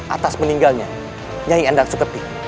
atas meninggalnya nyai endang sukepti